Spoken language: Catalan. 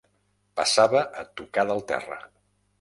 Passava a tocar del terra.